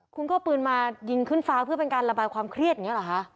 คุณก็เอาปืนมายิงขึ้นฟ้าเพื่อเป็นการระบายความเครียดอย่างนี้หรอคะ